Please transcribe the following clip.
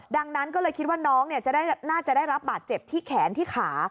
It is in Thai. ดังนั้นก็เลยคิดว่าน้องน่าจะได้รับบาดเจ็บที่แขนที่ขา